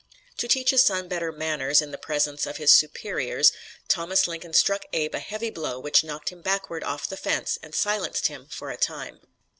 To teach his son better "manners" in the presence of his "superiors," Thomas Lincoln struck Abe a heavy blow which knocked him backward off the fence, and silenced him for a time.